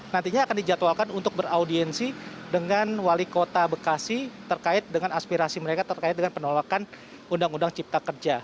nantinya akan dijadwalkan untuk beraudiensi dengan wali kota bekasi terkait dengan aspirasi mereka terkait dengan penolakan undang undang cipta kerja